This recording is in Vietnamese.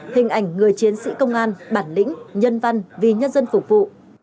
hình ảnh người chiến sĩ công an bản lĩnh nhân văn vì nhân dân phục vụ